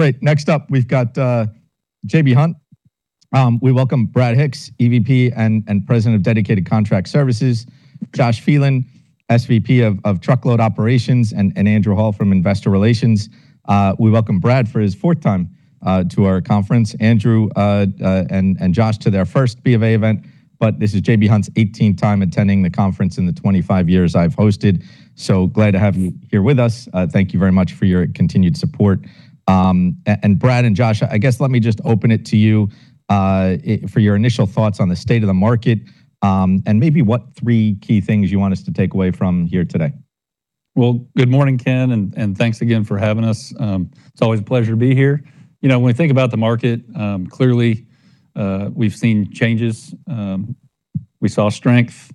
Great. Next up, we've got J.B. Hunt. We welcome Brad Hicks, EVP and President of Dedicated Contract Services, Josh Phelan, SVP of Truckload Operations, and Andrew Hall from Investor Relations. We welcome Brad for his fourth time to our conference, Andrew, and Josh to their first BofA event. This is J.B. Hunt's 18th time attending the conference in the 25 years I've hosted. Glad to have you here with us. Thank you very much for your continued support. And Brad and Josh, I guess let me just open it to you for your initial thoughts on the state of the market, and maybe what three key things you want us to take away from here today. Well, good morning, Ken, and thanks again for having us. It's always a pleasure to be here. You know, when we think about the market, clearly, we've seen changes. We saw strength,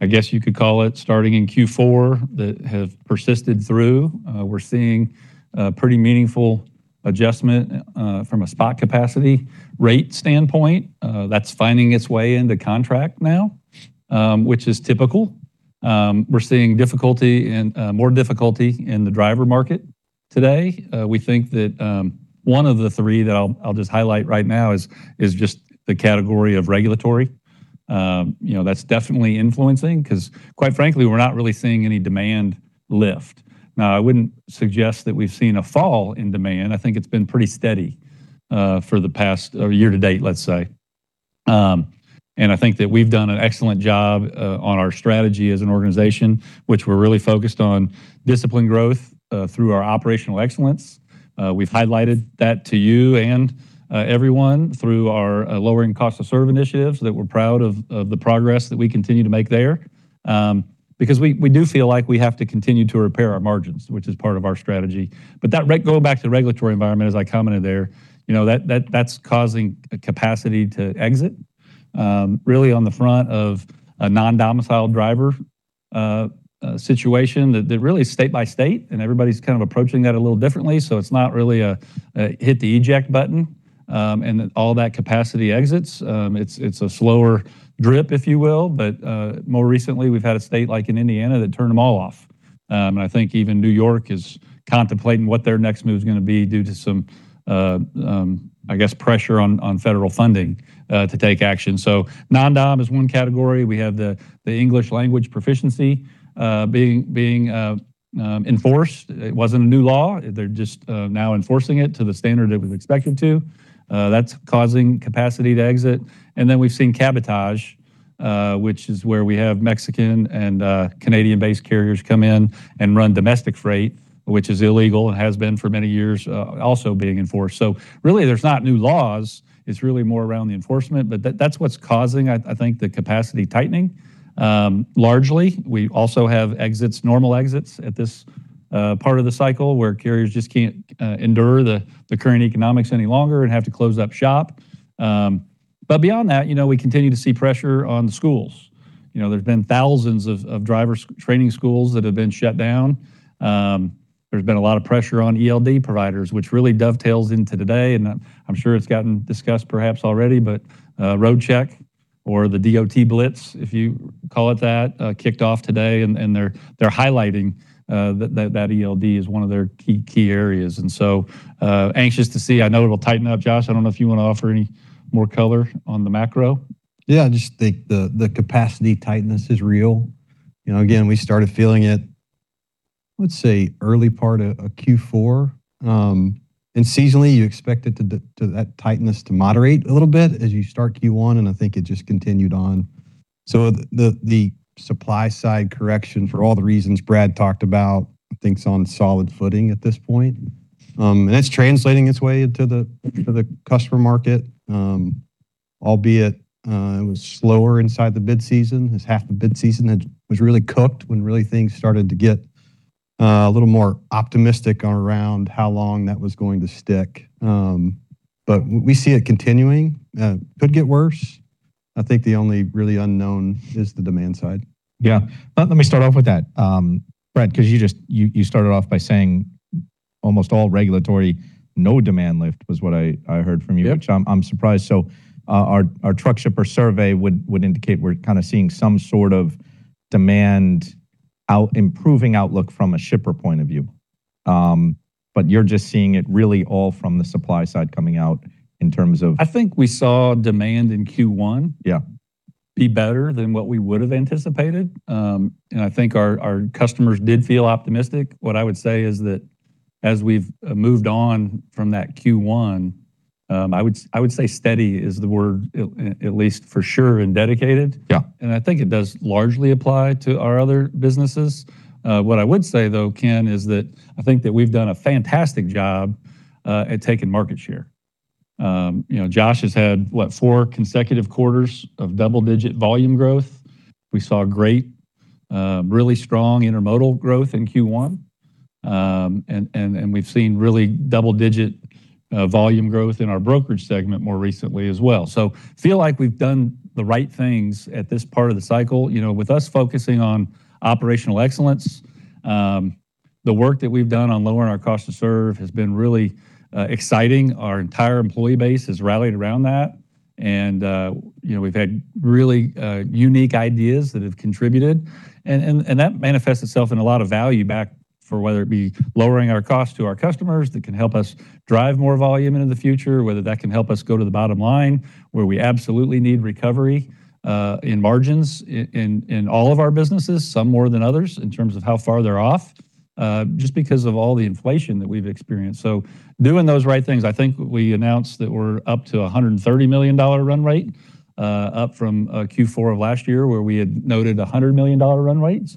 I guess you could call it, starting in Q4 that have persisted through. We're seeing a pretty meaningful adjustment from a spot capacity rate standpoint that's finding its way into contract now, which is typical. We're seeing difficulty in more difficulty in the driver market today. We think that one of the three that I'll just highlight right now is just the category of regulatory. You know, that's definitely influencing 'cause quite frankly, we're not really seeing any demand lift. Now, I wouldn't suggest that we've seen a fall in demand. I think it's been pretty steady for the past year to date, let's say. I think that we've done an excellent job on our strategy as an organization, which we're really focused on discipline growth through our operational excellence. We've highlighted that to you and everyone through our lowering cost to serve initiatives that we're proud of the progress that we continue to make there. We do feel like we have to continue to repair our margins, which is part of our strategy. That going back to the regulatory environment, as I commented there, you know, that's causing a capacity to exit really on the front of a non-domiciled driver situation that really is state by state, and everybody's kind of approaching that a little differently. It's not really a hit the eject button, and then all that capacity exits. It's a slower drip, if you will. More recently, we've had a state like in Indiana that turned them all off. And I think even New York is contemplating what their next move's gonna be due to some, I guess, pressure on federal funding to take action. Non-dom is one category. We have the English Language Proficiency being enforced. It wasn't a new law. They're just now enforcing it to the standard it was expected to. That's causing capacity to exit. We've seen cabotage, which is where we have Mexican and Canadian-based carriers come in and run domestic freight, which is illegal and has been for many years, also being enforced. Really there's not new laws, it's really more around the enforcement. That's what's causing, I think, the capacity tightening. Largely, we also have exits, normal exits at this part of the cycle where carriers just can't endure the current economics any longer and have to close up shop. Beyond that, you know, we continue to see pressure on the schools. You know, there's been thousands of driver training schools that have been shut down. There's been a lot of pressure on ELD providers, which really dovetails into today, I'm sure it's gotten discussed perhaps already, Roadcheck or the DOT blitz, if you call it that, kicked off today and they're highlighting that ELD is one of their key areas. Anxious to see. I know it'll tighten up. Josh, I don't know if you want to offer any more color on the macro. The capacity tightness is real. You know, again, we started feeling it, let's say early part of Q4. Seasonally, you expect that tightness to moderate a little bit as you start Q1, and I think it just continued on. The supply side correction for all the reasons Brad talked about, I think it's on solid footing at this point. It's translating its way into the customer market. It was slower inside the bid season. This half the bid season was really cooked when really things started to get a little more optimistic around how long that was going to stick. We see it continuing. Could get worse. I think the only really unknown is the demand side. Yeah. Let me start off with that, Brad, cause you just, you started off by saying almost all regulatory, no demand lift was what I heard from you. Which I'm surprised. Our truck shipper survey would indicate we're kind of seeing some sort of demand improving outlook from a shipper point of view. You're just seeing it really all from the supply side coming out. I think we saw demand in Q1. Yeah be better than what we would have anticipated. I think our customers did feel optimistic. What I would say is that as we've moved on from that Q1, I would say steady is the word, at least for sure in dedicated. Yeah. I think it does largely apply to our other businesses. What I would say, though, Ken, is that I think that we've done a fantastic job at taking market share. You know, Josh has had, what, 4 consecutive quarters of double-digit volume growth. We saw great, really strong intermodal growth in Q1. We've seen really double-digit volume growth in our brokerage segment more recently as well. Feel like we've done the right things at this part of the cycle. You know, with us focusing on operational excellence, the work that we've done on lowering our cost to serve has been really exciting. Our entire employee base has rallied around that. You know, we've had really unique ideas that have contributed, and that manifests itself in a lot of value back for whether it be lowering our cost to our customers that can help us drive more volume into the future, whether that can help us go to the bottom line, where we absolutely need recovery in margins in all of our businesses, some more than others, in terms of how far they're off, just because of all the inflation that we've experienced. Doing those right things, I think we announced that we're up to a $130 million run rate, up from Q4 of last year, where we had noted a $100 million run rate.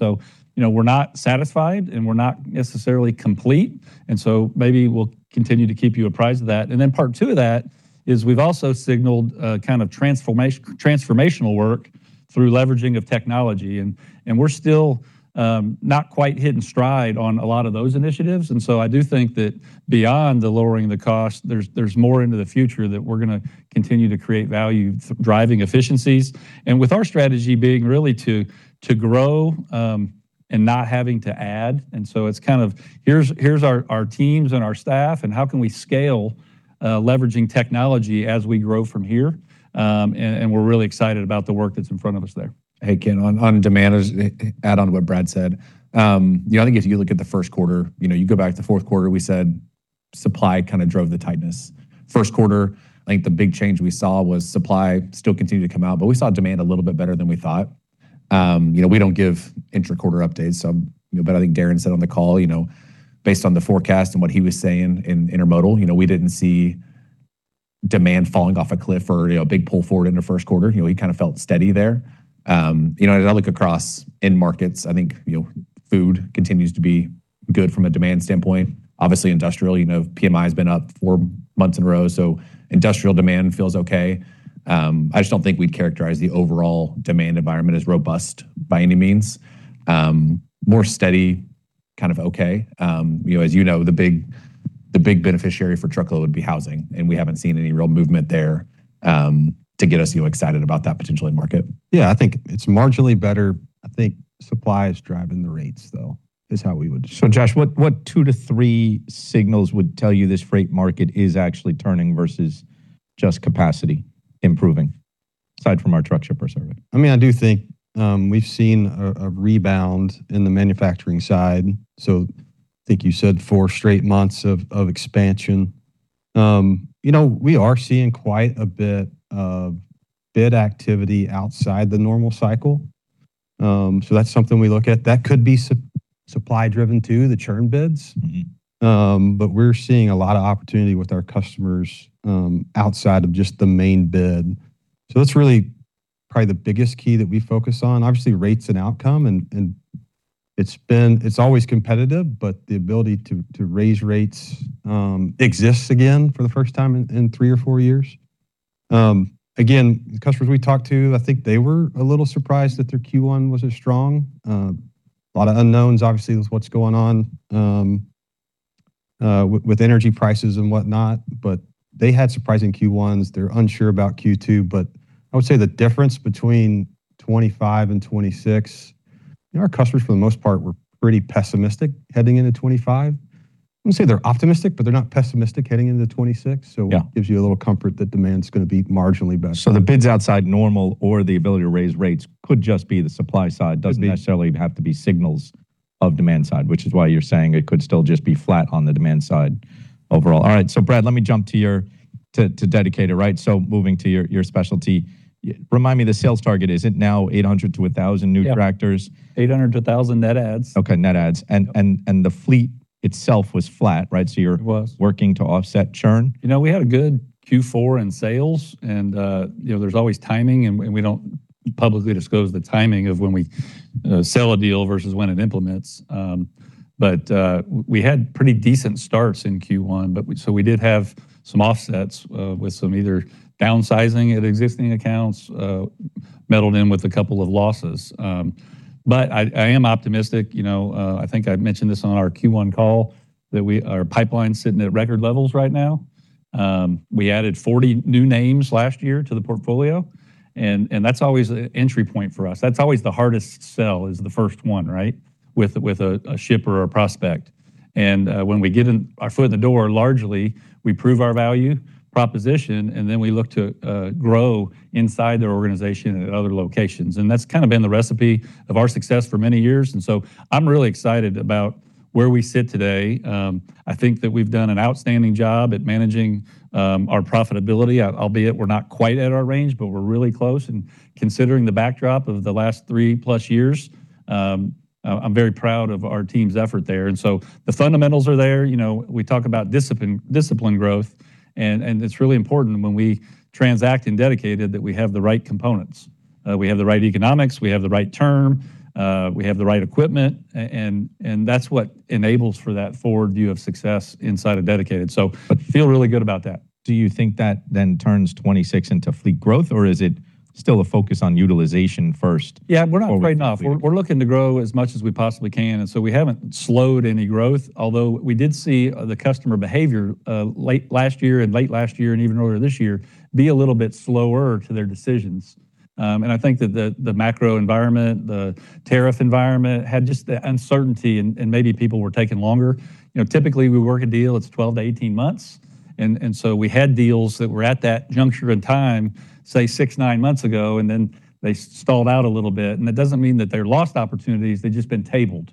You know, we're not satisfied, and we're not necessarily complete, and so maybe we'll continue to keep you apprised of that. Part two of that is we've also signaled a kind of transformation, transformational work through leveraging of technology, and we're still not quite hitting stride on a lot of those initiatives. I do think that beyond the lowering of the cost, there's more into the future that we're gonna continue to create value driving efficiencies. With our strategy being really to grow, and not having to add, and so it's kind of here's our teams and our staff, and how can we scale leveraging technology as we grow from here? We're really excited about the work that's in front of us there. Hey, Ken, on demand, as add on to what Brad said, you know, I think if you look at the first quarter, you know, you go back to the fourth quarter, we said supply kind of drove the tightness. First quarter, I think the big change we saw was supply still continued to come out, but we saw demand a little bit better than we thought. You know, we don't give intra-quarter updates, you know, but I think Darren said on the call, you know, based on the forecast and what he was saying in intermodal, you know, we didn't see demand falling off a cliff or, you know, a big pull forward in the first quarter. You know, he kind of felt steady there. You know, as I look across end markets, I think, you know, food continues to be good from a demand standpoint. Obviously, industrial, you know, PMI has been up 4 months in a row, industrial demand feels okay. I just don't think we'd characterize the overall demand environment as robust by any means. More steady, kind of okay. You know, as you know, the big, the big beneficiary for truckload would be housing, we haven't seen any real movement there to get us, you know, excited about that potential end market. Yeah, I think it's marginally better. I think supply is driving the rates, though, is how we would. Josh, what two to three signals would tell you this freight market is actually turning versus just capacity improving, aside from our truck shipper survey? I mean, I do think we've seen a rebound in the manufacturing side. I think you said 4 straight months of expansion. You know, we are seeing quite a bit of bid activity outside the normal cycle. That's something we look at. That could be supply driven too, the churn bids. We're seeing a lot of opportunity with our customers outside of just the main bid. That's really probably the biggest key that we focus on, obviously rates and outcome, and it's always competitive, but the ability to raise rates exists again for the first time in 3 or 4 years. Again, the customers we talked to, I think they were a little surprised that their Q1 was as strong. A lot of unknowns, obviously, with what's going on with energy prices and whatnot, but they had surprising Q1s. They're unsure about Q2, but I would say the difference between 2025 and 2026, you know, our customers, for the most part, were pretty pessimistic heading into 2025. I wouldn't say they're optimistic, but they're not pessimistic heading into 2026. Yeah. It gives you a little comfort that demand's gonna be marginally better. The bids outside normal or the ability to raise rates could just be the supply side. Could be. Doesn't necessarily have to be signals of demand side, which is why you're saying it could still just be flat on the demand side overall. All right. Brad, let me jump to your dedicated, right? Moving to your specialty, remind me the sales target. Is it now 800-1,000 new tractors? Yeah, 800-1,000 net adds. Okay, net adds. The fleet itself was flat, right? It was working to offset churn. You know, we had a good Q4 in sales and, you know, there's always timing and we don't publicly disclose the timing of when we sell a deal versus when it implements. But we had pretty decent starts in Q1, but we did have some offsets with some either downsizing at existing accounts, meddled in with a couple of losses. I am optimistic. You know, I think I've mentioned this on our Q1 call that our pipeline's sitting at record levels right now. We added 40 new names last year to the portfolio and that's always a entry point for us. That's always the hardest sell is the first one, right? With a shipper or a prospect. When we get in our foot in the door, largely we prove our value proposition, and then we look to grow inside their organization at other locations. That's kind of been the recipe of our success for many years. I'm really excited about where we sit today. I think that we've done an outstanding job at managing our profitability. Albeit we're not quite at our range, but we're really close. Considering the backdrop of the last 3+ years, I'm very proud of our team's effort there. The fundamentals are there. You know, we talk about discipline growth, and it's really important when we transact in Dedicated that we have the right components, we have the right economics, we have the right term, we have the right equipment, and that's what enables for that forward view of success inside a Dedicated. Feel really good about that. Do you think that then turns 2026 into fleet growth, or is it still a focus on utilization first? Yeah, we're not writing off. We're looking to grow as much as we possibly can. We haven't slowed any growth, although we did see the customer behavior late last year and even earlier this year be a little bit slower to their decisions. I think that the macro environment, the tariff environment had just the uncertainty, and maybe people were taking longer. You know, typically we work a deal, it's 12-18 months. We had deals that were at that juncture in time, say, 6-9 months ago, and then they stalled out a little bit. That doesn't mean that they're lost opportunities, they've just been tabled.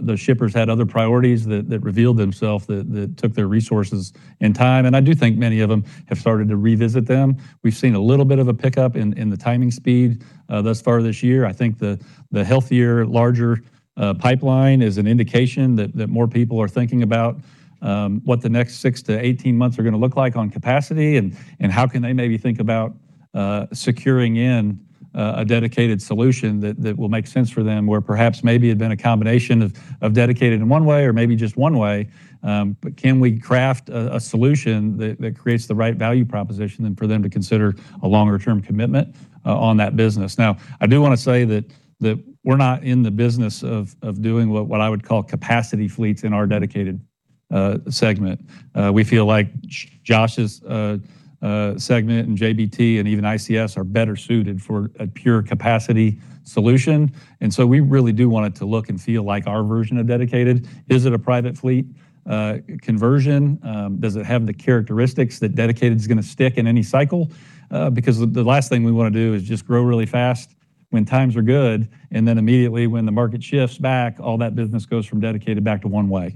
those shippers had other priorities that revealed themselves that took their resources and time. I do think many of them have started to revisit them. We've seen a little bit of a pickup in the timing speed, thus far this year. I think the healthier, larger, pipeline is an indication that more people are thinking about, what the next 6-18 months are gonna look like on capacity and how can they maybe think about, securing in, a dedicated solution that will make sense for them, where perhaps maybe it had been a combination of dedicated and one way or maybe just one way. Can we craft a solution that creates the right value proposition and for them to consider a longer term commitment, on that business? Now, I do wanna say that we're not in the business of doing what I would call capacity fleets in our Dedicated segment. We feel like Josh's segment and JBT and even ICS are better suited for a pure capacity solution. We really do want it to look and feel like our version of Dedicated. Is it a private fleet conversion? Does it have the characteristics that Dedicated's gonna stick in any cycle? Because the last thing we wanna do is just grow really fast when times are good, and then immediately when the market shifts back, all that business goes from dedicated back to one way.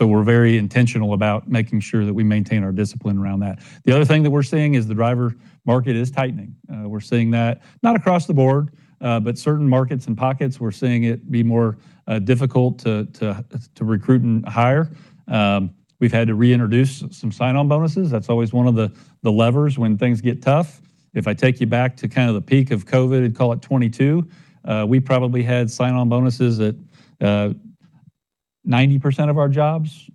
We're very intentional about making sure that we maintain our discipline around that. The other thing that we're seeing is the driver market is tightening. We're seeing that, not across the board, but certain markets and pockets we're seeing it be more difficult to recruit and hire. We've had to reintroduce some sign-on bonuses. That's always one of the levers when things get tough. If I take you back to kind of the peak of COVID, call it 2022, we probably had sign-on bonuses at 90% of our jobs.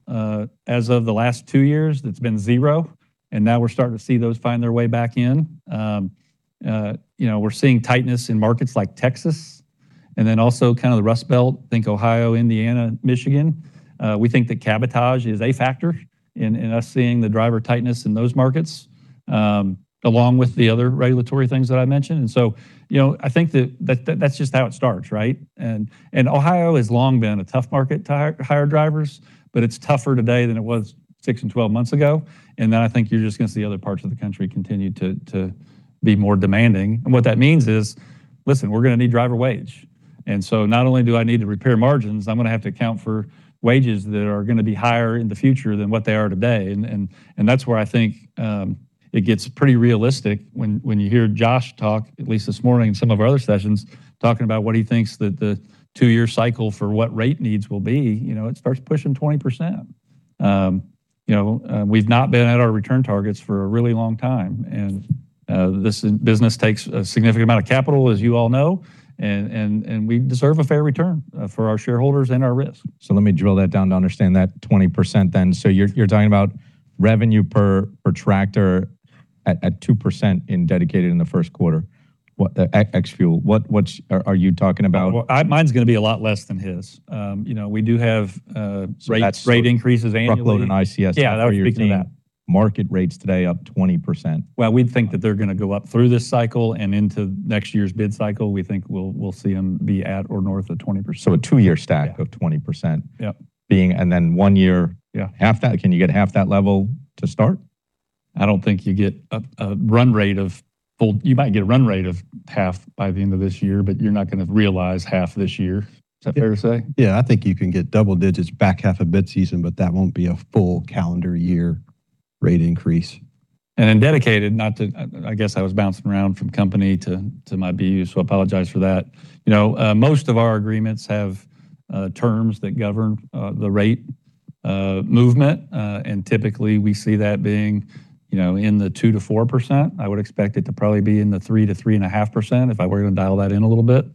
As of the last two years, it's been zero, and now we're starting to see those find their way back in. You know, we're seeing tightness in markets like Texas, and then also kind of the Rust Belt, think Ohio, Indiana, Michigan. We think that cabotage is a factor in us seeing the driver tightness in those markets, along with the other regulatory things that I mentioned. You know, I think that's just how it starts, right? Ohio has long been a tough market to hire drivers, but it's tougher today than it was 6 and 12 months ago. I think you're just gonna see other parts of the country continue to be more demanding. What that means is, listen, we're gonna need driver wage. Not only do I need to repair margins, I'm gonna have to account for wages that are gonna be higher in the future than what they are today. That's where I think it gets pretty realistic when you hear Josh talk, at least this morning in some of our other sessions, talking about what he thinks that the 2-year cycle for what rate needs will be. You know, it starts pushing 20%. You know, we've not been at our return targets for a really long time, and this business takes a significant amount of capital, as you all know, and we deserve a fair return for our shareholders and our risk. Let me drill that down to understand that 20% then. You're talking about revenue per tractor at 2% in dedicated in the first quarter. What, ex fuel. Are you talking about. Well, mine's gonna be a lot less than his. you know. So that's- Rate increases annually. Truckload and ICS. Yeah, I was speaking to that. Market rates today up 20%. Well, we think that they're gonna go up through this cycle and into next year's bid cycle. We think we'll see them be at or north of 20%. A 2-year stack of 20%. Yep. Being, and then one year- Yeah half that. Can you get half that level to start? I don't think you get a run rate of full. You might get a run rate of half by the end of this year, but you're not gonna realize half this year. Is that fair to say? Yeah, I think you can get double digits back half of bid season, but that won't be a full calendar year rate increase. In Dedicated, not to, I guess I was bouncing around from company to my BU, so apologize for that. You know, most of our agreements have terms that govern the rate movement. Typically we see that being, you know, in the 2%-4%. I would expect it to probably be in the 3%-3.5% if I were gonna dial that in a little bit.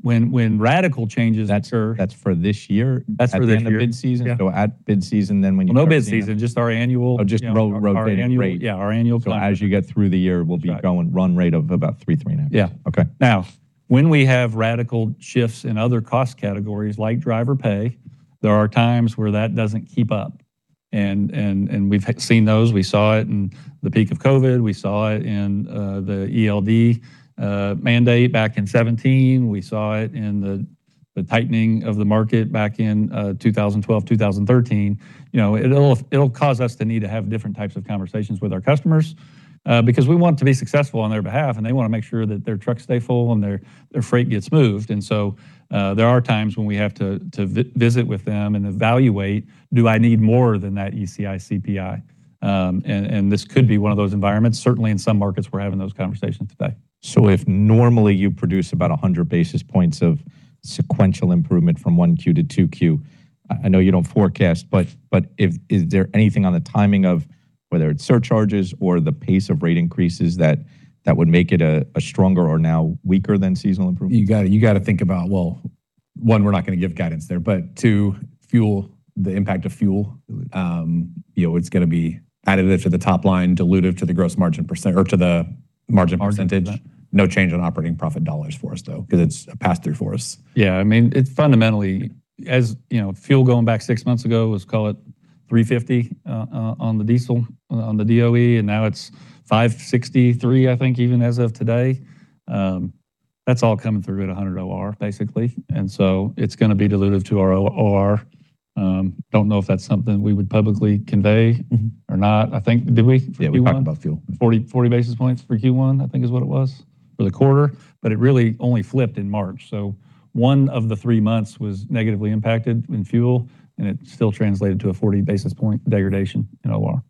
When radical changes occur- That's for this year? That's for the end of bid season. at bid season, then. No bid season, just our annual- Oh, just rotating rate. Our annual, yeah. As you get through the year, we'll be going run rate of about 3.5%. Yeah. Okay. When we have radical shifts in other cost categories like driver pay, there are times where that doesn't keep up and we've seen those. We saw it in the peak of COVID, we saw it in the ELD mandate back in 2017, we saw it in the tightening of the market back in 2012, 2013. You know, it'll cause us to need to have different types of conversations with our customers because we want to be successful on their behalf and they wanna make sure that their trucks stay full and their freight gets moved. There are times when we have to visit with them and evaluate, do I need more than that ECI CPI? And this could be one of those environments. Certainly in some markets we're having those conversations today. If normally you produce about 100 basis points of sequential improvement from 1Q to 2Q, I know you don't forecast, but is there anything on the timing of whether it's surcharges or the pace of rate increases that would make it a stronger or now weaker than seasonal improvement? You gotta think about, well, one, we're not gonna give guidance there, but two, fuel, the impact of fuel, you know, it's gonna be additive to the top line, dilutive to the gross margin percent or to the margin percentage. No change in operating profit dollars for us though, 'cause it's a pass-through for us. Yeah, it fundamentally, as fuel going back six months ago was, call it, $3.50 on the diesel, on the DOE, and now it's $5.63, I think, even as of today. That's all coming through at a 100 OR, basically. It's going to be dilutive to our OR. Don't know if that's something we would publicly convey or not. I think, did we, for Q1? Yeah, we talked about fuel. 40 basis points for Q1, I think is what it was, for the quarter. It really only flipped in March. One of the three months was negatively impacted in fuel, and it still translated to a 40 basis point degradation in OR.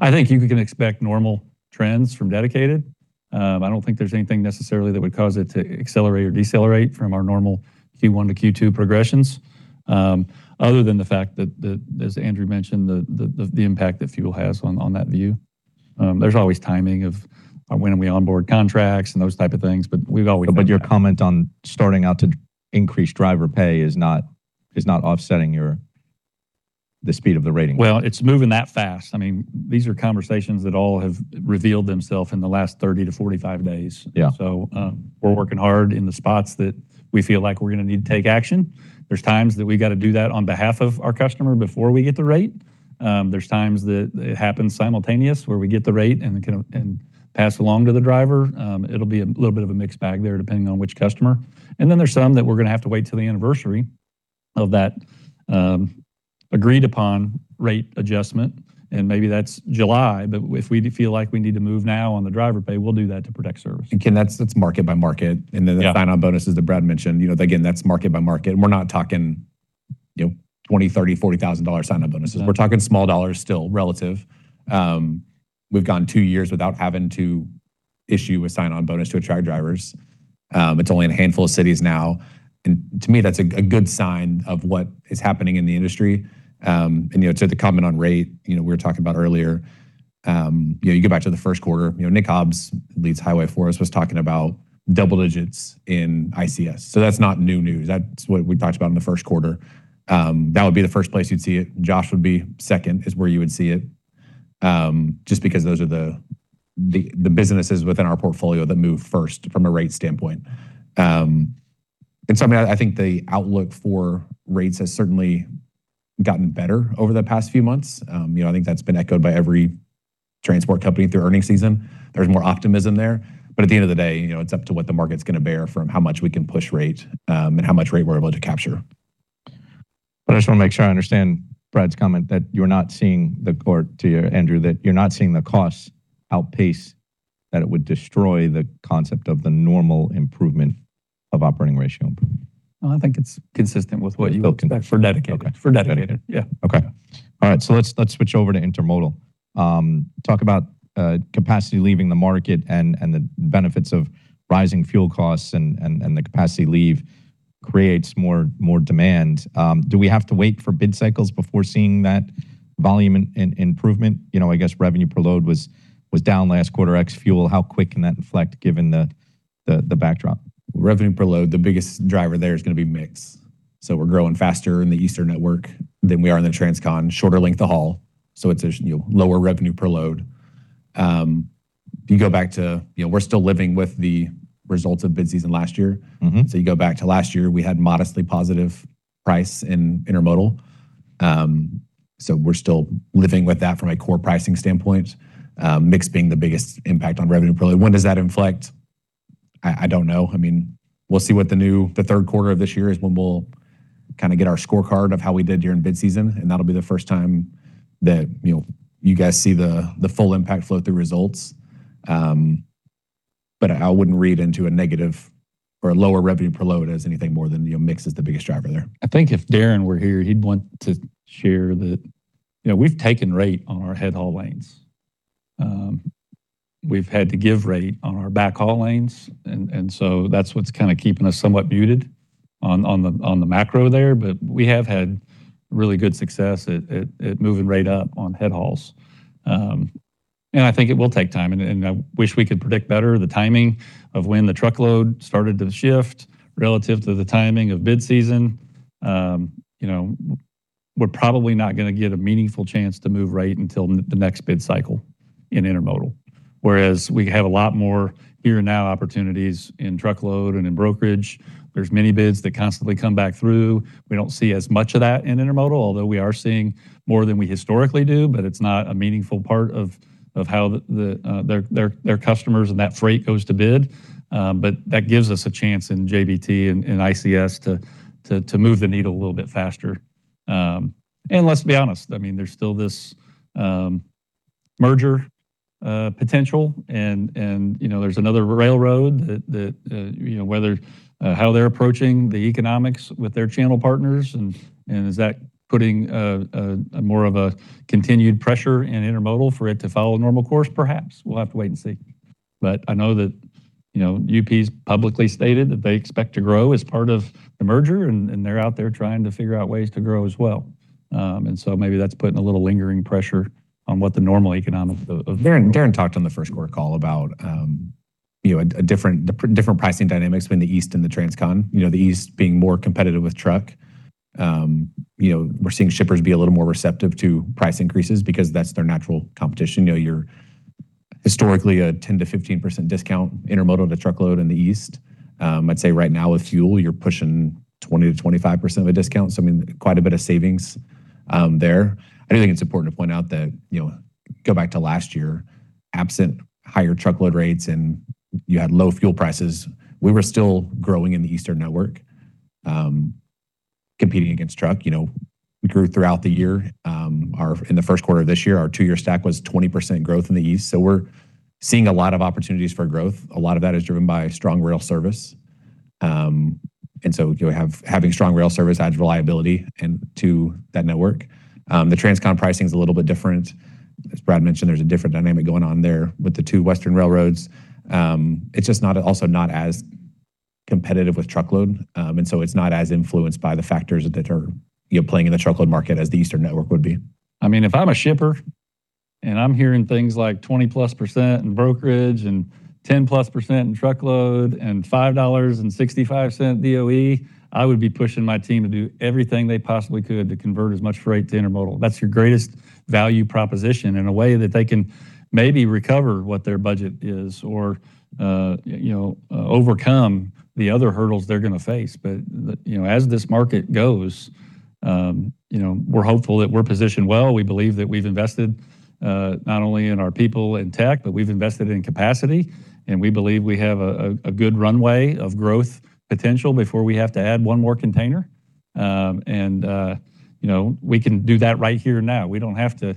Yeah. I think you can expect normal trends from Dedicated. I don't think there's anything necessarily that would cause it to accelerate or decelerate from our normal Q1 to Q2 progressions, other than the fact that, as Andrew mentioned, the impact that fuel has on that view. There's always timing of when are we onboard contracts and those type of things, but we've always. Your comment on starting out to increase driver pay is not offsetting your, the speed of the rating. Well, it's moving that fast. I mean, these are conversations that all have revealed themself in the last 30 to 45 days. Yeah. We're working hard in the spots that we feel like we're gonna need to take action. There's times that we gotta do that on behalf of our customer before we get the rate. There's times that it happens simultaneous, where we get the rate and can, and pass along to the driver. It'll be a little bit of a mixed bag there, depending on which customer. Then there's some that we're gonna have to wait till the anniversary of that agreed-upon rate adjustment, and maybe that's July. If we feel like we need to move now on the driver pay, we'll do that to protect service. Ken, that's market by market. Yeah. Then the sign-on bonuses that Brad mentioned, you know, again, that's market by market, and we're not talking, you know, $20,000, $30,000, $40,000 sign-on bonuses. No. We're talking small dollars still, relative. We've gone 2 years without having to issue a sign-on bonus to a truck drivers. It's only in a handful of cities now, and to me, that's a good sign of what is happening in the industry. And, you know, to the comment on rate, you know, we were talking about earlier, you know, you go back to the first quarter, you know, Nick Hobbs, leads highway for us, was talking about double digits in ICS. That's not new news. That's what we talked about in the first quarter. That would be the first place you'd see it. Josh would be second, is where you would see it, just because those are the businesses within our portfolio that move first from a rate standpoint. And so, I mean, I think the outlook for rates has certainly gotten better over the past few months. You know, I think that's been echoed by every transport company through earnings season. There's more optimism there. At the end of the day, you know, it's up to what the market's gonna bear from how much we can push rate and how much rate we're able to capture. I just wanna make sure I understand Brad's comment that you're not seeing the core, to you, Andrew, that you're not seeing the costs outpace that it would destroy the concept of the normal improvement of operating ratio improvement. No, I think it's consistent with what you would expect. For Dedicated. For Dedicated. Okay. Yeah. Okay. All right. Let's switch over to intermodal. Talk about capacity leaving the market and the benefits of rising fuel costs and the capacity leave creates more demand. Do we have to wait for bid cycles before seeing that volume improvement? You know, I guess revenue per load was down last quarter, ex-fuel. How quick can that inflect given the backdrop? Revenue per load, the biggest driver there is gonna be mix. We're growing faster in the Eastern network than we are in the Transcon. Shorter length of haul, it's a, you know, lower revenue per load. If you go back to, you know, we're still living with the results of bid season last year. Mm-hmm. You go back to last year, we had modestly positive price in intermodal. We're still living with that from a core pricing standpoint, mix being the biggest impact on revenue probably. When does that inflect? I don't know. I mean, we'll see what the new, the third quarter of this year is when we'll kinda get our scorecard of how we did during bid season, and that'll be the first time that, you know, you guys see the full impact flow through results. I wouldn't read into a negative or a lower revenue per load as anything more than, you know, mix is the biggest driver there. I think if Darren Field were here, he'd want to share that, you know, we've taken rate on our head haul lanes. We've had to give rate on our back haul lanes that's what's kinda keeping us somewhat muted on the, on the macro there. We have had really good success at moving rate up on head hauls. I think it will take time, and I wish we could predict better the timing of when the Truckload started to shift relative to the timing of bid season. You know, we're probably not gonna get a meaningful chance to move rate until the next bid cycle in intermodal. Whereas we have a lot more here and now opportunities in Truckload and in brokerage. There's many bids that constantly come back through. We don't see as much of that in intermodal, although we are seeing more than we historically do, but it's not a meaningful part of how the customers and that freight goes to bid. That gives us a chance in JBT and ICS to move the needle a little bit faster. Let's be honest, I mean, there's still this merger potential, there's another railroad that how they're approaching the economics with their channel partners, is that putting more of a continued pressure in intermodal for it to follow a normal course? Perhaps. We'll have to wait and see. I know that UP's publicly stated that they expect to grow as part of the merger, they're out there trying to figure out ways to grow as well. Maybe that's putting a little lingering pressure on what the normal economics. Darren Field talked on the first quarter call about, you know, different pricing dynamics between the East and the Transcon. You know, the East being more competitive with truck. You know, we're seeing shippers be a little more receptive to price increases because that's their natural competition. You know, you're historically a 10%-15% discount intermodal to truckload in the East. I'd say right now with fuel, you're pushing 20%-25% of a discount, so I mean, quite a bit of savings There, I do think it's important to point out that, you know, go back to last year, absent higher truckload rates and you had low fuel prices, we were still growing in the Eastern network, competing against truck. You know, we grew throughout the year. Our, in the first quarter of this year, our 2-year stack was 20% growth in the East. We're seeing a lot of opportunities for growth. A lot of that is driven by strong rail service. Having strong rail service adds reliability and to that network. The Transcon pricing is a little bit different. As Brad mentioned, there's a different dynamic going on there with the two western railroads. It's just not, also not as competitive with truckload, and so it's not as influenced by the factors that are, you know, playing in the truckload market as the Eastern network would be. I mean, if I'm a shipper and I'm hearing things like 20%+ in brokerage and 10%+ in truckload and $5.65 DOE, I would be pushing my team to do everything they possibly could to convert as much freight to intermodal. That's your greatest value proposition in a way that they can maybe recover what their budget is or, you know, overcome the other hurdles they're gonna face. The, you know, as this market goes, you know, we're hopeful that we're positioned well. We believe that we've invested, not only in our people and tech, but we've invested in capacity, and we believe we have a good runway of growth potential before we have to add one more container. You know, we can do that right here and now. We don't have to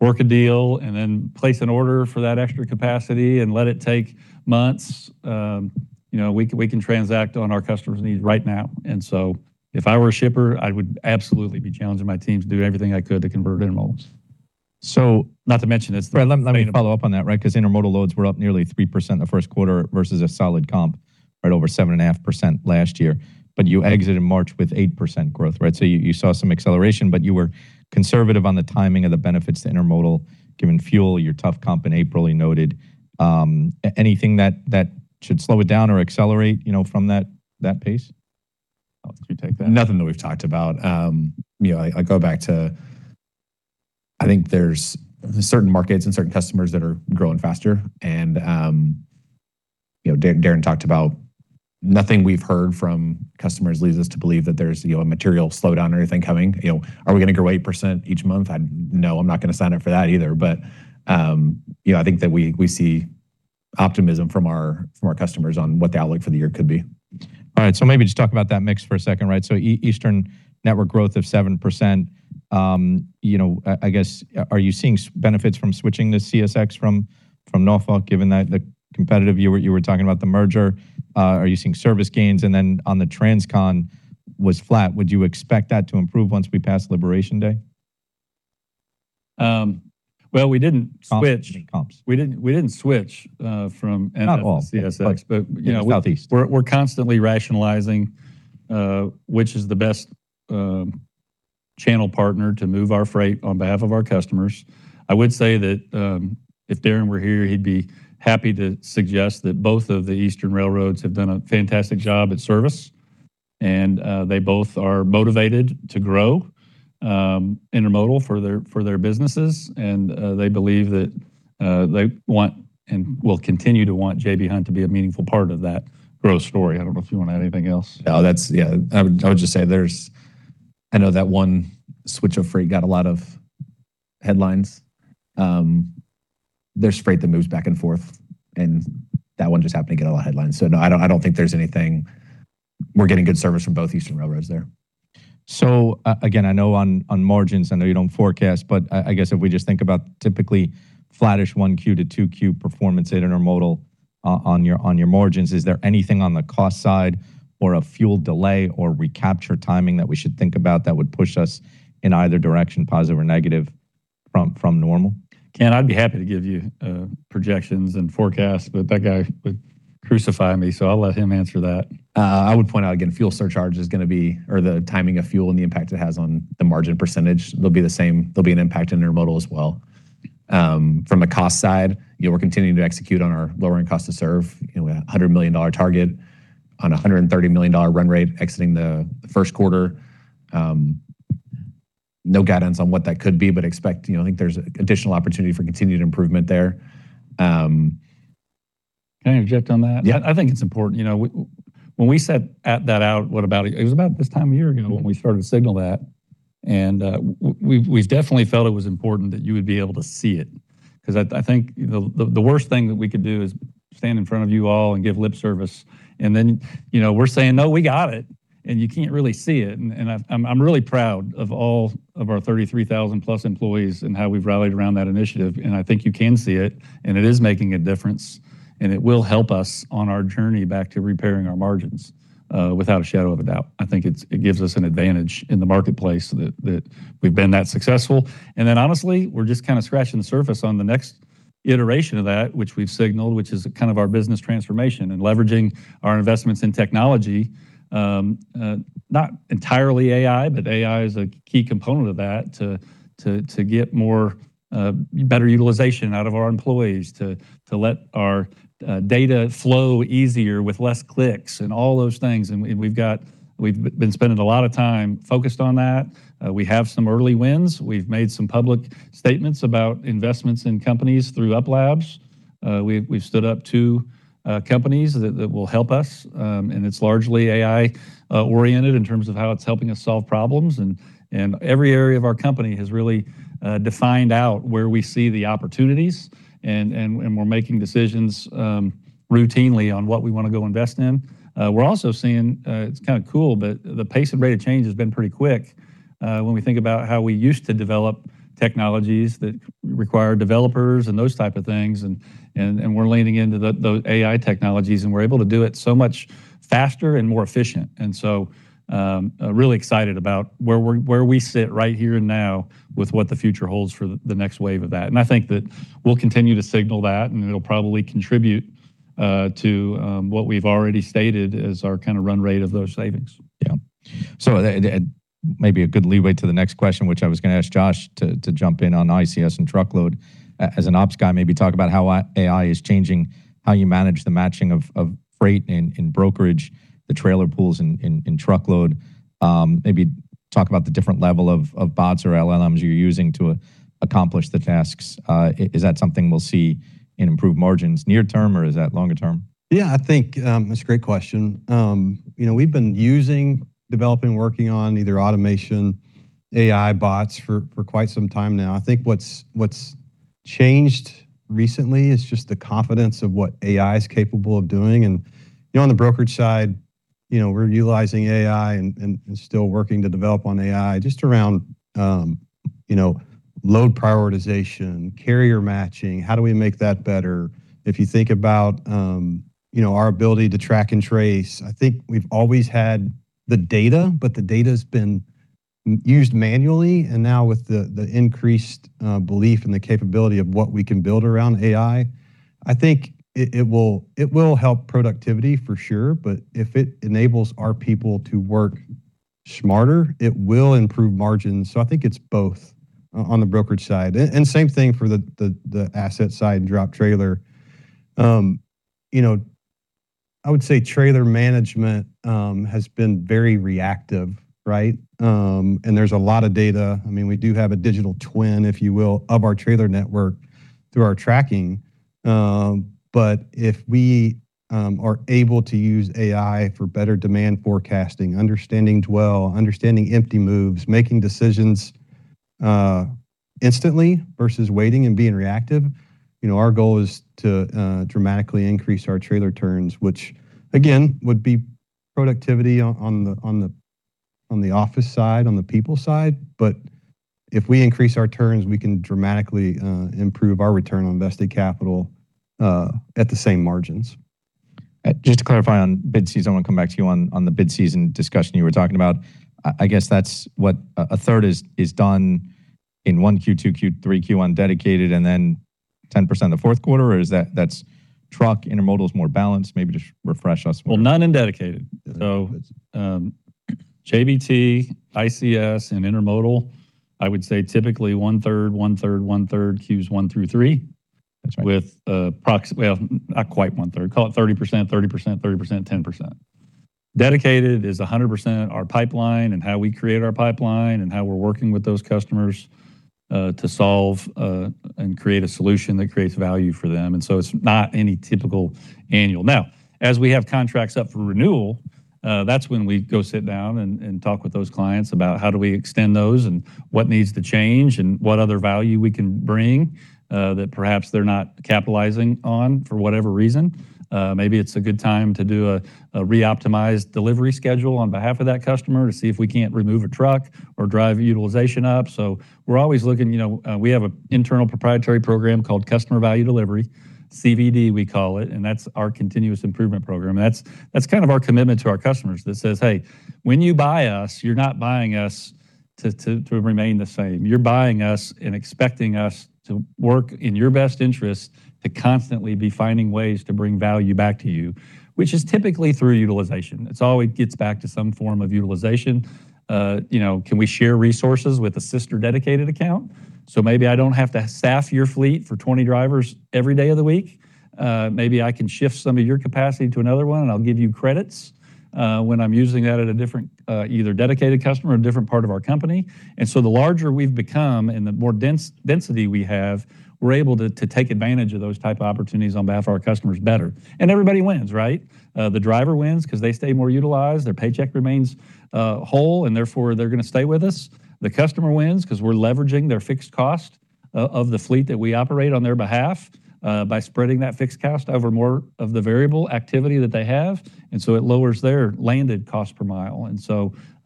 work a deal and then place an order for that extra capacity and let it take months. You know, we can transact on our customer's needs right now. If I were a shipper, I would absolutely be challenging my team to do everything I could to convert intermodals. not to mention it's. Brad, let me follow up on that, right? Intermodal loads were up nearly 3% the first quarter versus a solid comp, right over 7.5% last year. You exited March with 8% growth, right? You saw some acceleration, but you were conservative on the timing of the benefits to intermodal, given fuel, your tough comp in April, you noted. Anything that should slow it down or accelerate, you know, from that pace? I'll let you take that. Nothing that we've talked about. you know, I go back to, I think there's certain markets and certain customers that are growing faster, you know, Darren talked about nothing we've heard from customers leads us to believe that there's, you know, a material slowdown or anything coming. You know, are we gonna grow 8% each month? No, I'm not gonna sign up for that either. you know, I think that we see optimism from our customers on what the outlook for the year could be. All right, maybe just talk about that mix for a second, right? Eastern network growth of 7%, you know, are you seeing benefits from switching to CSX from Norfolk, given that the competitive, you were talking about the merger? Are you seeing service gains? On the Transcon was flat. Would you expect that to improve once we pass Liberation Day? Well, we didn't switch. Comps, I mean comps. We didn't switch from NS. Not all. CSX. you know. Southeast We're constantly rationalizing which is the best channel partner to move our freight on behalf of our customers. I would say that, if Darren were here, he'd be happy to suggest that both of the eastern railroads have done a fantastic job at service, they both are motivated to grow intermodal for their businesses. They believe that they want and will continue to want J.B. Hunt to be a meaningful part of that growth story. I don't know if you want to add anything else. No, that's, yeah. I would just say I know that one switch of freight got a lot of headlines. There's freight that moves back and forth, that one just happened to get a lot of headlines. No, I don't, I don't think there's anything. We're getting good service from both eastern railroads there. Again, I know on margins, I know you don't forecast, but I guess if we just think about typically flattish 1Q to 2Q performance at intermodal on your margins, is there anything on the cost side or a fuel delay or recapture timing that we should think about that would push us in either direction, positive or negative from normal? Ken, I'd be happy to give you projections and forecasts, but that guy would crucify me, so I'll let him answer that. I would point out again, fuel surcharge is gonna be, or the timing of fuel and the impact it has on the margin percentage. There'll be the same, there'll be an impact in intermodal as well. From a cost side, you know, we're continuing to execute on our lowering cost to serve, you know, a $100 million target on a $130 million run rate exiting the first quarter. No guidance on what that could be, but expect, you know, I think there's additional opportunity for continued improvement there. Can I interject on that? Yeah. I think it's important. You know, when we set that out, it was about this time a year ago when we started to signal that, we've definitely felt it was important that you would be able to see it, because I think the worst thing that we could do is stand in front of you all and give lip service, and then, you know, we're saying, "No, we got it," and you can't really see it. I'm really proud of all of our 33,000+ employees and how we've rallied around that initiative, and I think you can see it, and it is making a difference, and it will help us on our journey back to repairing our margins, without a shadow of a doubt. I think it gives us an advantage in the marketplace that we've been that successful. Honestly, we're just kind of scratching the surface on the next iteration of that, which we've signaled, which is kind of our business transformation and leveraging our investments in technology. Not entirely AI, but AI is a key component of that to get more better utilization out of our employees, to let our data flow easier with less clicks and all those things. We've been spending a lot of time focused on that. We have some early wins. We've made some public statements about investments in companies through UP.Labs. We've stood up 2 companies that will help us, and it's largely AI oriented in terms of how it's helping us solve problems, and every area of our company has really defined out where we see the opportunities, and we're making decisions routinely on what we wanna go invest in. We're also seeing, it's kinda cool, but the pace and rate of change has been pretty quick. When we think about how we used to develop technologies that require developers and those type of things, we're leaning into the AI technologies, and we're able to do it so much faster and more efficient. Really excited about where we sit right here and now with what the future holds for the next wave of that. I think that we'll continue to signal that, and it'll probably contribute to what we've already stated as our kinda run rate of those savings. That may be a good leeway to the next question, which I was gonna ask Josh to jump in on ICS and Truckload. As an ops guy, maybe talk about how AI is changing how you manage the matching of freight in brokerage, the trailer pools in Truckload. Maybe talk about the different level of bots or LLMs you're using to accomplish the tasks. Is that something we'll see in improved margins near term, or is that longer term? Yeah, I think, that's a great question. You know, we've been using, developing, working on either automation, AI bots for quite some time now. I think what's changed recently is just the confidence of what AI is capable of doing. You know, on the brokerage side, you know, we're utilizing AI and still working to develop on AI just around, you know, load prioritization, carrier matching. How do we make that better? If you think about, you know, our ability to track and trace, I think we've always had the data, but the data's been used manually, and now with the increased belief and the capability of what we can build around AI, I think it will help productivity for sure, but if it enables our people to work smarter, it will improve margins. I think it's both on the brokerage side. Same thing for the asset side and drop trailer. You know, I would say trailer management has been very reactive, right? There's a lot of data. I mean, we do have a digital twin, if you will, of our trailer network through our tracking. If we are able to use AI for better demand forecasting, understanding dwell, understanding empty moves, making decisions instantly versus waiting and being reactive, you know, our goal is to dramatically increase our trailer turns, which again, would be productivity on the office side, on the people side. If we increase our turns, we can dramatically improve our return on invested capital at the same margins. Just to clarify on bid season, I wanna come back to you on the bid season discussion you were talking about. I guess that's what a third is done in one Q2, Q3, Q1 Dedicated and then 10% of the fourth quarter, or is that's truck intermodal is more balanced. Maybe just refresh us more. Well, none in Dedicated. Truckload, ICS, and intermodal, I would say typically one third, one third, one third, Q1 through Q3. That's right. With approx-- Well, not quite one third. Call it 30%, 30%, 30%, 10%. Dedicated is 100% our pipeline and how we create our pipeline and how we're working with those customers to solve and create a solution that creates value for them. It's not any typical annual. Now, as we have contracts up for renewal, that's when we go sit down and talk with those clients about how do we extend those and what needs to change and what other value we can bring that perhaps they're not capitalizing on for whatever reason. Maybe it's a good time to do a reoptimized delivery schedule on behalf of that customer to see if we can't remove a truck or drive utilization up. We're always looking, you know, we have a internal proprietary program called Customer Value Delivery, CVD, we call it, and that's our continuous improvement program. That's kind of our commitment to our customers that says, "Hey, when you buy us, you're not buying us to remain the same. You're buying us and expecting us to work in your best interest to constantly be finding ways to bring value back to you," which is typically through utilization. It's always gets back to some form of utilization. You know, can we share resources with a sister dedicated account? Maybe I don't have to staff your fleet for 20 drivers every day of the week. Maybe I can shift some of your capacity to another one, and I'll give you credits when I'm using that at a different either Dedicated customer or a different part of our company. The larger we've become and the more density we have, we're able to take advantage of those type of opportunities on behalf of our customers better. Everybody wins, right? The driver wins ’cause they stay more utilized, their paycheck remains whole, and therefore they're gonna stay with us. The customer wins ’cause we're leveraging their fixed cost of the fleet that we operate on their behalf by spreading that fixed cost over more of the variable activity that they have. It lowers their landed cost per mile.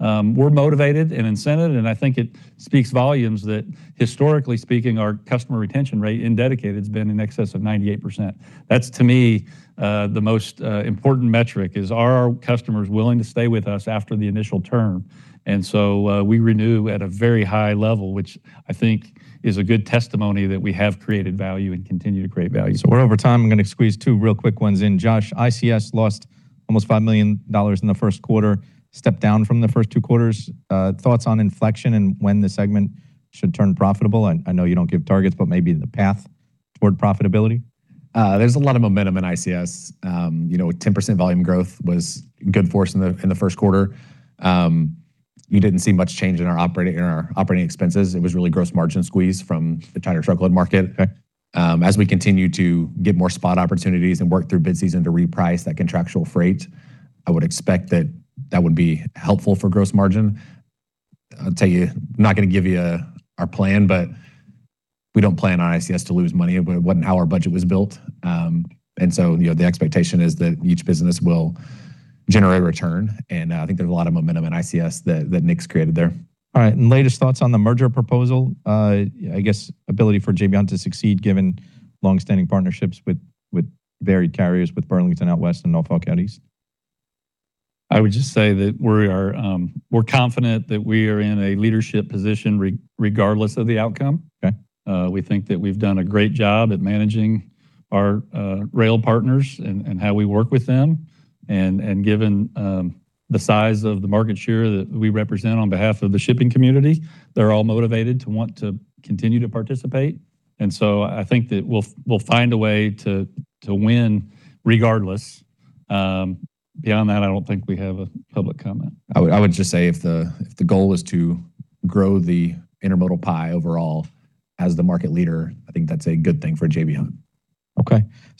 We're motivated and incented, and I think it speaks volumes that historically speaking, our customer retention rate in Dedicated's been in excess of 98%. That's to me, the most important metric is are our customers willing to stay with us after the initial term? We renew at a very high level, which I think is a good testimony that we have created value and continue to create value. We're over time. I'm gonna squeeze two real quick ones in. Josh, ICS lost almost $5 million in the 1st quarter, stepped down from the first 2 quarters. Thoughts on inflection and when the segment should turn profitable. I know you don't give targets, but maybe the path toward profitability. There's a lot of momentum in ICS. You know, 10% volume growth was good for us in the first quarter. We didn't see much change in our operating expenses. It was really gross margin squeeze from the tighter truckload market. Okay. As we continue to get more spot opportunities and work through bid season to reprice that contractual freight, I would expect that that would be helpful for gross margin. I'll tell you, not gonna give you our plan, but we don't plan on ICS to lose money. It wasn't how our budget was built. So, you know, the expectation is that each business will generate return, and I think there's a lot of momentum in ICS that Nick's created there. All right. Latest thoughts on the merger proposal. I guess ability for J.B. Hunt to succeed given long-standing partnerships with varied carriers, with Burlington out west and Norfolk out east. I would just say that we are, we're confident that we are in a leadership position regardless of the outcome. Okay. We think that we've done a great job at managing our rail partners and how we work with them. Given the size of the market share that we represent on behalf of the shipping community, they're all motivated to want to continue to participate. I think that we'll find a way to win regardless. Beyond that, I don't think we have a public comment. I would just say if the goal is to grow the intermodal pie overall as the market leader, I think that's a good thing for J.B. Hunt.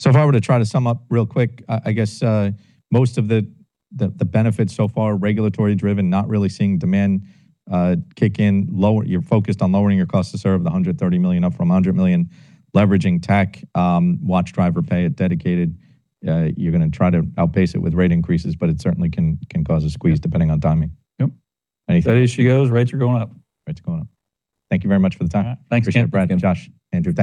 If I were to try to sum up real quick, I guess most of the benefits so far are regulatory driven, not really seeing demand kick in. You're focused on lowering your cost to serve the $130 million up from $100 million, leveraging tech, watch driver pay at dedicated. You're gonna try to outpace it with rate increases, it certainly can cause a squeeze depending on timing. Yep. Anything? Steady as she goes. Rates are going up. Rates are going up. Thank you very much for the time. Thanks, Ken. Thanks, Brad, Josh, Andrew.